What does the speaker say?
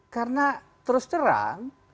karena terus terang